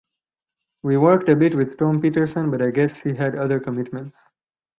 We worked a bit with Tom Petersson, but I guess he had other commitments.